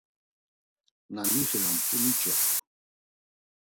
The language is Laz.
Na nixiramt̆u niç̌opu.